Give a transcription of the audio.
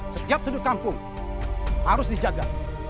setiap sudut kampung harus dijaga